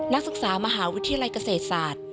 นักศึกษามหาวิทยาลัยเกษตรศาสตร์